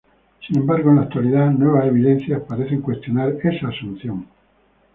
Sin embargo, en la actualidad, nuevas evidencias parecen cuestionar esa asunción.